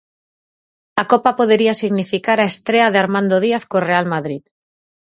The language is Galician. A Copa podería significar a estrea de Armando Díaz co Real Madrid.